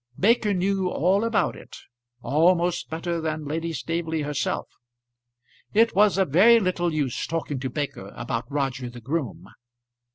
Baker knew all about it, almost better than Lady Staveley herself. It was of very little use talking to Baker about Roger the groom.